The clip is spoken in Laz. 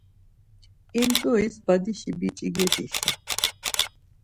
İmt̆uis Badişi biç̌i geç̌işu.